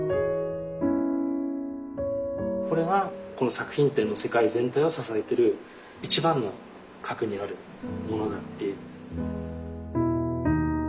これがこの作品展の世界全体を支えてる一番の核にあるものだっていう。